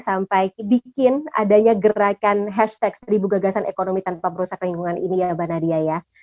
sampai bikin adanya gerakan hashtag seribu gagasan ekonomi tanpa perusahaan lingkungan ini ya mbak nadia ya